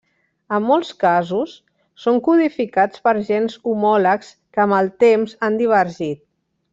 En molts casos, són codificats per gens homòlegs que amb el temps han divergit.